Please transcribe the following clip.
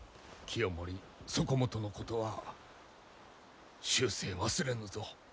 清盛そこもとのことは終生忘れぬぞ。